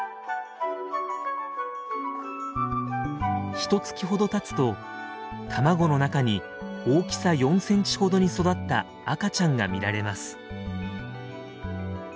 ひと月ほどたつと卵の中に大きさ４センチほどに育った赤ちゃんが見られます。